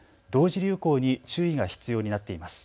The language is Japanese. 流行に注意が必要になっています。